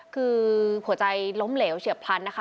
คือหัวใจล้มเหลวเฉียบพลันนะคะ